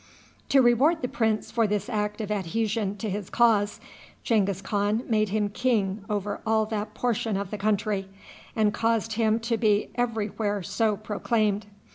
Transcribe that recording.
To reward the prince for this act of adhesion to his cause, Genghis Khan made him king over all that portion of the country, and caused him to be every where so proclaimed.